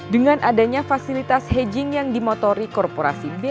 dengan adanya fasilitas hedging yang dimotori korporasi